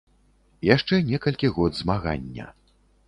Яшчэ некалькі год змагання.